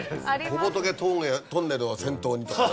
「小仏トンネルを先頭に」とか。